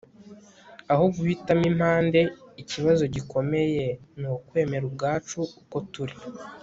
aho guhitamo impande. ikibazo gikomeye ni ukwemera ubwacu uko turi